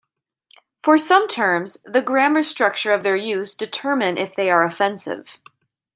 For some terms, the grammar structure of their use determine if they are offensive.